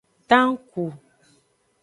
Tanku.